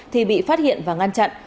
thì bị phát hiện và ngăn chặn